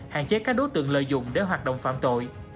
hạn chế các đối tượng lợi dụng để hoạt động phạm tội